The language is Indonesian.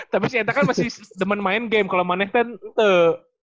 tapi si enta kan masih demen main game kalo maneh ten teh